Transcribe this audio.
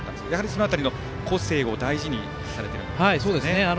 その辺りの個性を大事にされているんですね。